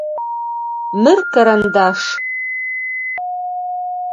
Мыр карандаш.